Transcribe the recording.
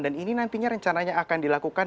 dan ini nantinya rencananya akan dilakukan